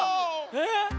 えっ？